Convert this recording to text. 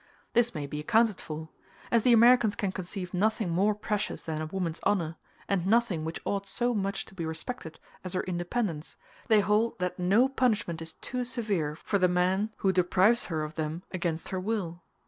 This may be accounted for; as the Americans can conceive nothing more precious than a woman's honor, and nothing which ought so much to be respected as her independence, they hold that no punishment is too severe for the man who deprives her of them against her will.